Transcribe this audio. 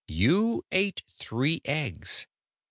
"You ate three eggs.